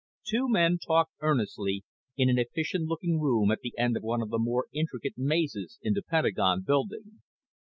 Two men talked earnestly in an efficient looking room at the end of one of the more intricate mazes in the Pentagon Building.